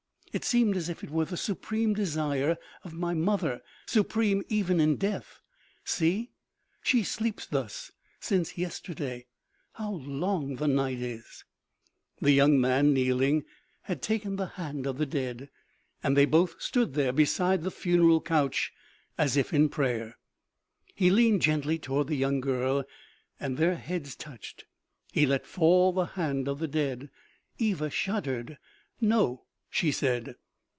It seemed as if it were the supreme desire of my mother, supreme even in death. See, she sleeps thus since yester day. How long the night is !" The young man, kneeling, had taken the hand of the dead, and they both stood there beside the funeral couch, as if in prayer. He leaned gently toward the young girl, and their heads touched. He let fall the hand of the dead. Eva shuddered. " No," she said.